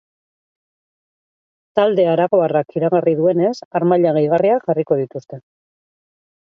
Talde aragoarrak iragarri duenez, harmaila gehigarriak jarriko dituzte.